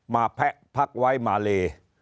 แพะพักไว้มาเล